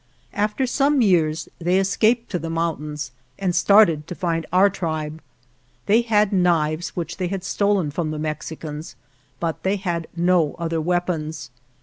After some years they escaped to the mountains and started to find our tribe. They had knives which they had stolen from the Mexicans, but they had no other weapons.